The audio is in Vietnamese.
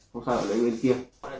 không sao là lấy bên kia